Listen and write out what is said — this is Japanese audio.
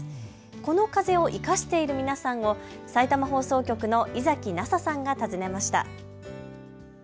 この風を生かしている皆さんをさいたま放送局の猪崎那紗さんが訪ねました。